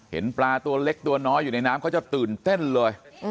เห็นปลาตัวเล็กตัวน้อยอยู่ในน้ำเขาจะตื่นเต้นเลย